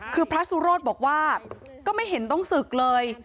คือพระสุโรธบอกว่าก็ไม่เห็นต้องศึกเลย